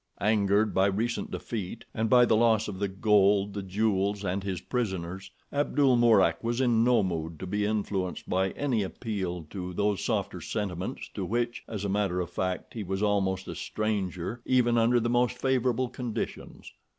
Angered by recent defeat, and by the loss of the gold, the jewels, and his prisoners, Abdul Mourak was in no mood to be influenced by any appeal to those softer sentiments to which, as a matter of fact, he was almost a stranger even under the most favourable conditions.